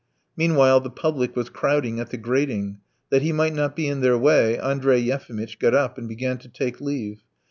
Meanwhile the public was crowding at the grating. That he might not be in their way, Andrey Yefimitch got up and began to take leave.